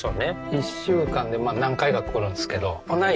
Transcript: １週間で何回か来るんですけど来ない